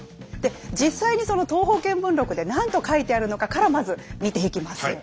で実際にその「東方見聞録」で何と書いてあるのかからまず見ていきます。